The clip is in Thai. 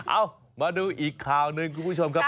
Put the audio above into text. เอ้ามาดูอีกข่าวหนึ่งคุณผู้ชมครับ